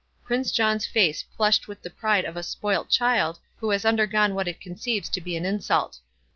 Prince John's face flushed with the pride of a spoilt child, who has undergone what it conceives to be an insult.